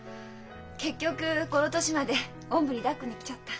結局この年まで「おんぶにだっこ」で来ちゃった。